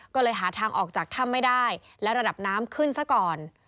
ก็เลยหาทางออกจากถ้ำไม่ได้และระดับน้ำขึ้นซะก่อน